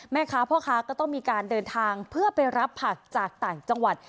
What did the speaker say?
พ่อค้าก็ต้องมีการเดินทางเพื่อไปรับผักจากต่างจังหวัด